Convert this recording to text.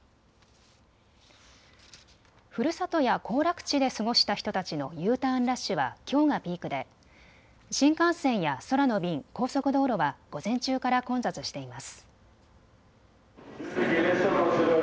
ふるさとや行楽地で過ごした人たちのＵターンラッシュはきょうがピークで新幹線や空の便、高速道路は午前中から混雑しています。